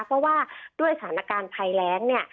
เพราะว่าด้วยสถานการณ์ภัยแรงเนี่ย